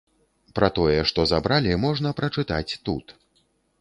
Пра тое, што забралі можна прачытаць тут.